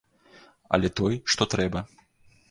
Але той, што трэба!